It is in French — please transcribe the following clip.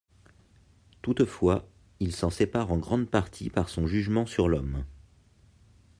Toutefois, il s'en sépare en grande partie par son jugement sur l'homme.